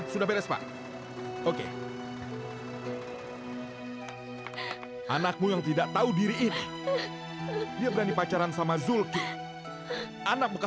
sampai jumpa di video selanjutnya